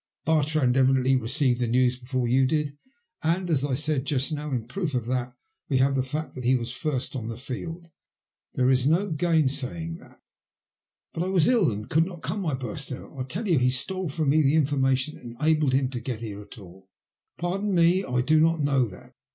Bartrand evidently received the news before you did, and, as I said just now, in proof of that we have the fact that he was first on the field. There is no gainsaying that." But I was ill and could not come," I burst out. I tell you he stole from me the information that enabled him to get here at all." Pardon me, I do not know that.